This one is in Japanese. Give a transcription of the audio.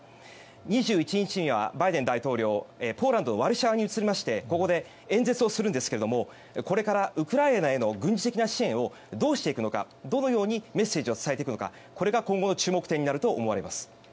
２１日にはバイデン大統領はポーランドのワルシャワに移り演説をするんですがこれからウクライナへの軍事的な支援をどうするのかどうメッセージを伝えるのかこれが今後の注目点になると思われます。